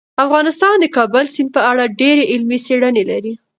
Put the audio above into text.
افغانستان د کابل سیند په اړه ډېرې علمي څېړنې لري.